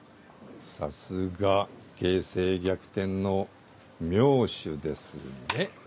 さすが形勢逆転の妙手ですね。